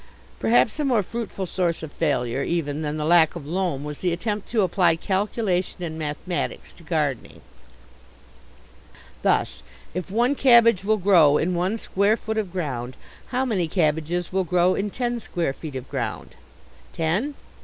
Perhaps a more fruitful source of failure even than the lack of loam was the attempt to apply calculation and mathematics to gardening. Thus, if one cabbage will grow in one square foot of ground, how many cabbages will grow in ten square feet of ground? Ten?